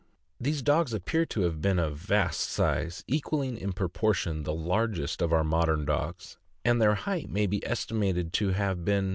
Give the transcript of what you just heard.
"These dogs appear to have been of vast size, equaling in proportion the largest of our modern dogs, and their height may be estimated to have (571) 572 THE AMERICAN BOOK OF THE DOG.